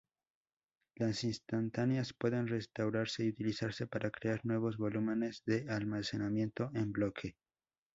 Las instantáneas pueden restaurarse y utilizarse para crear nuevos volúmenes de almacenamiento en bloque.